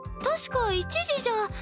確か１時じゃ。